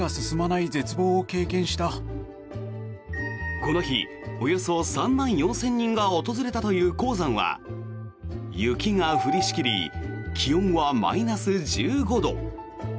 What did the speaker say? この日およそ３万４０００人が訪れたという黄山は雪が降りしきり気温はマイナス１５度。